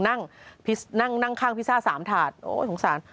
นั่งนั่งข้างพิซซ่า๓ถาดโอ้ยสงสาร